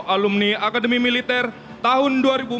alumni akademi militer tahun dua ribu empat belas